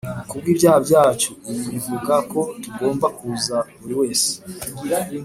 ku bw'ibyaha byacu. Ibi bivuga ko tugomba kuza buri wese